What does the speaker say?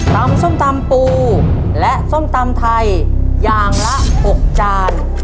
ส้มตำปูและส้มตำไทยอย่างละ๖จาน